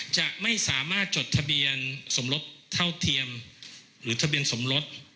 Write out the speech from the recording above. จะไม่สามารถจดทะเบียนสมรสเท่าเทียมหรือทะเบียนสมรส